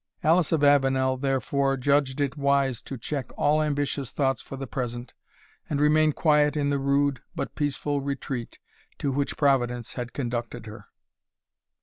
Alice of Avenel, therefore, judged it wise to check all ambitious thoughts for the present, and remain quiet in the rude, but peaceable retreat, to which Providence had conducted her.